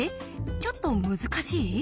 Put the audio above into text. ちょっと難しい？